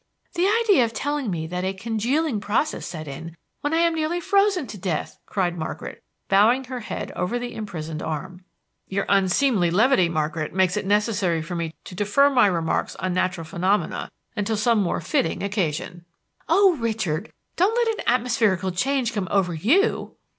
"The idea of telling me that 'a congealing process set in,' when I am nearly frozen to death!" cried Margaret, bowing her head over the imprisoned arm. "Your unseemly levity, Margaret, makes it necessary for me to defer my remarks on natural phenomena until some more fitting occasion." "Oh, Richard, don't let an atmospherical change come over _you!"